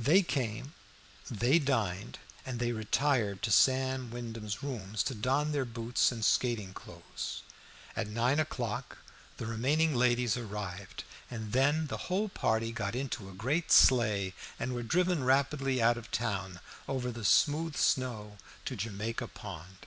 They came, they dined, and they retired to Sam Wyndham's rooms to don their boots and skating clothes. At nine o'clock the remaining ladies arrived, and then the whole party got into a great sleigh and were driven rapidly out of town over the smooth snow to Jamaica Pond.